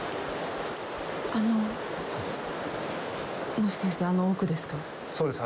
もしかして、あの奥ですか。